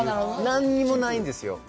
何もないんです。